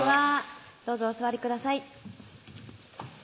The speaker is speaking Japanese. どうぞお座りください